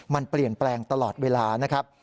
มันเปลี่ยนแปลงตลอดเวลานะครับ